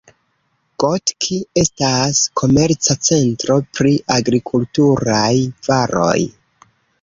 Gotki estas komerca centro pri agrikulturaj varoj.